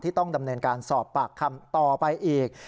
ต้องดำเนินการสอบปากคำต่อไปอีก